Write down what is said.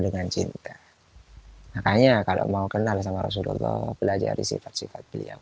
dengan cinta makanya kalau mau kenal sama rasulullah belajari sifat sifat beliau